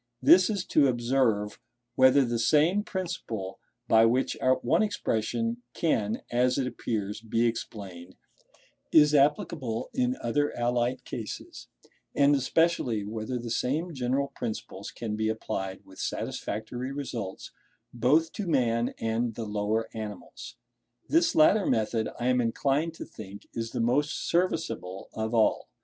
This is to observe whether the same principle by which one expression can, as it appears, be explained, is applicable in other allied cases; and especially, whether the same general principles can be applied with satisfactory results, both to man and the lower animals. This latter method, I am inclined to think, is the most serviceable of all.